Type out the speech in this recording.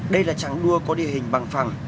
đây là chặng đua có địa hình bằng phẳng